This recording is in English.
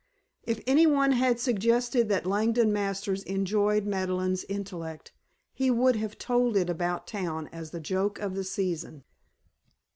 If anyone had suggested that Langdon Masters enjoyed Madeleine's intellect he would have told it about town as the joke of the season.